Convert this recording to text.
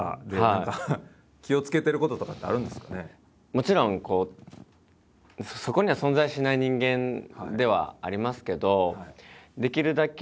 もちろんこうそこには存在しない人間ではありますけどできるだけ